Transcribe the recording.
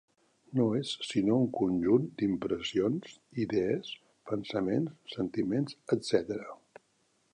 No és sinó un conjunt d'impressions, idees, pensaments, sentiments, etcètera.